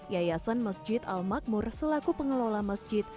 yayasan masjid al makmur selaku pengelola masjid